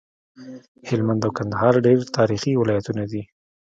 هلمند او کندهار ډير تاريخي ولايتونه دي